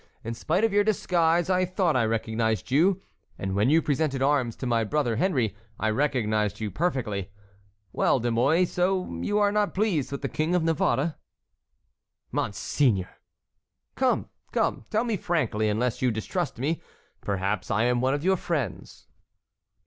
"In spite of your disguise I thought I recognized you, and when you presented arms to my brother Henry, I recognized you perfectly. Well, De Mouy, so you are not pleased with the King of Navarre?" "Monseigneur!" "Come, come! tell me frankly, unless you distrust me; perhaps I am one of your friends."